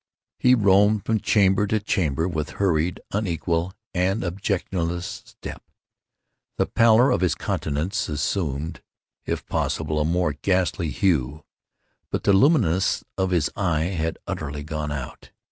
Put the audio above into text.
He roamed from chamber to chamber with hurried, unequal, and objectless step. The pallor of his countenance had assumed, if possible, a more ghastly hue—but the luminousness of his eye had utterly gone out.